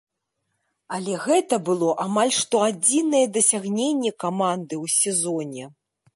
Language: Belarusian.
Але гэта было амаль што адзінае дасягненне каманды ў сезоне.